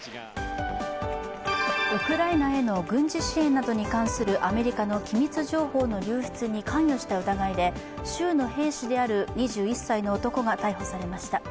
ウクライナへの軍事支援などに関するアメリカの機密情報の流出に関与した疑いで、州の兵士である２１歳の男が逮捕されました。